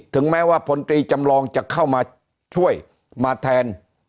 ถึงแม้ว่าพลตรีจำลองจะเข้ามาช่วยมาแทน